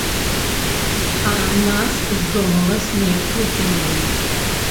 А нас з дому на снег выкінулі.